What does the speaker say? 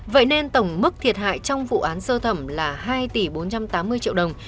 vậy nên tổng mức thiệt hại trong vụ án sơ thẩm là hai tỷ bốn trăm tám mươi triệu đồng